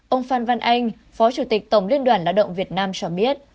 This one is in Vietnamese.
ông phan văn anh phó chủ tịch tổng liên đoàn lao động việt nam cho biết